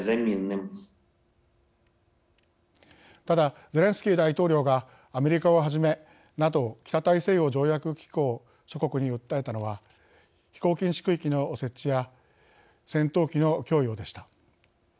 ただゼレンスキー大統領がアメリカをはじめＮＡＴＯ＝北大西洋条約機構を諸国に訴えたのは飛行禁止区域の設置や戦闘機の供与でした。